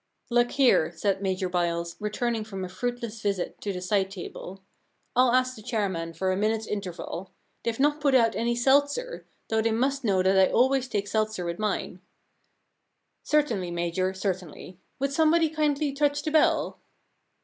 Look here,* said Major Byles, returning from a fruitless visit to the side table, * I'll ask the chairman for a minute's interval. They've not put out any seltzer, though they must know that I always take seltzer with mine/ 14 The Giraffe Problem • Certainly, Major ; certainly. Would somebody kindly touch the bell